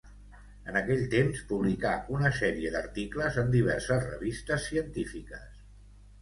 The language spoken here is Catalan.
En aquell temps publicà una sèrie d'articles en diverses revistes científiques.